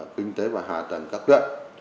kinh tế và hạ tầng các quyện